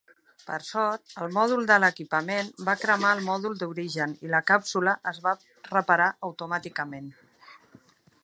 Per sort, el mòdul de l'equipament va cremar el mòdul d'origen i la càpsula es va reparar automàticament.